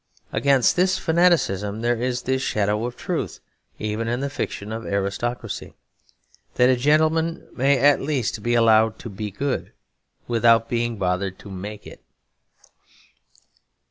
Against this fanaticism there is this shadow of truth even in the fiction of aristocracy; that a gentleman may at least be allowed to be good without being bothered to make it.